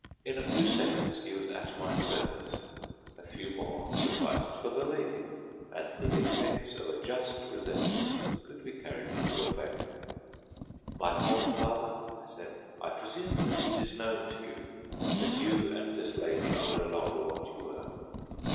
In a few seconds he was at my service. A few more sufficed for the lady, and the dictates of a just resentment could be carried into effect. "My former father," I said, "I presume that it is known to you that you and this lady are no longer what you were?"